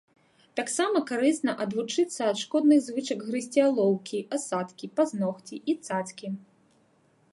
Таксама карысна адвучыцца ад шкодных звычак грызці алоўкі, асадкі, пазногці і цацкі.